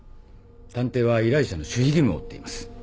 探偵は依頼者の守秘義務を負っています。